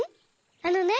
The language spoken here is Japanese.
あのね